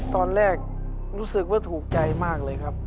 ตอนแรกรู้สึกว่าถูกใจมากเลยครับ